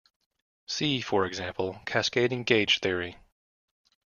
See, for example, cascading gauge theory.